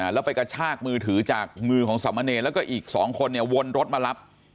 แล้วไปกระชากมือถือจากมือของสามเณรแล้วก็อีก๒คนเนี่ยวนรถมารับ